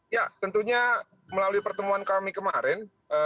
ya tentunya melalui pertemuan kami kemarin